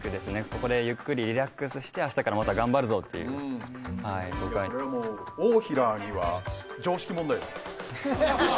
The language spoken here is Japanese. ここでゆっくりリラックスして明日からまた頑張るぞっていうオオヒラーには常識問題です